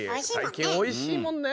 おいしいもんね。